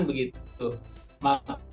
terus itu sudah terjadi